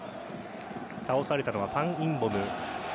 倒されたのはファン・インボム。